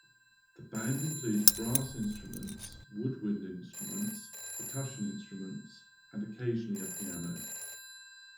The band includes brass instruments, woodwind instruments, percussion instruments, and occasionally a piano.